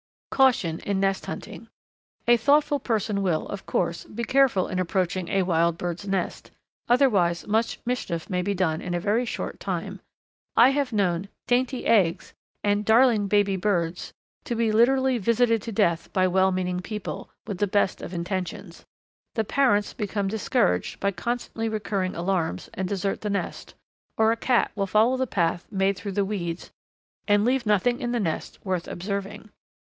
Caution in Nest Hunting. A thoughtful person will, of course, be careful in approaching a wild bird's nest, otherwise much mischief may be done in a very short time. I have known "dainty eggs" and "darling baby birds" to be literally visited to death by well meaning people, with the best of intentions. The parents become discouraged by constantly recurring alarms and desert the nest, or a cat will follow the path made through the weeds and leave nothing in the nest worth observing.